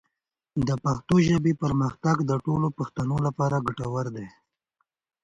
د پښتو ژبې پرمختګ د ټولو پښتنو لپاره ګټور دی.